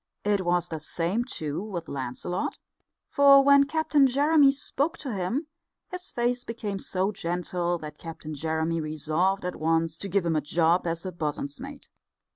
It was the same, too, with Lancelot, for when Captain Jeremy spoke to him his face became so gentle that Captain Jeremy resolved at once to give him a job as bosun's mate.